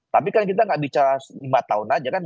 tapi kan kita nggak bicara lima tahun aja kan